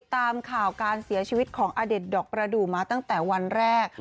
ตามข่าวการเสียชีวิตของอเด็ดดอกประดูกมาตั้งแต่วันแรก